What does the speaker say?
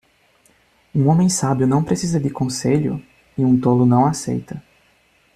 Um homem sábio não precisa de conselho? e um tolo não aceita.